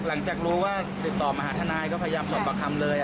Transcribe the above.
หลังจากรู้ว่าติดต่อมาหาทนายก็พยายามสอบประคำเลย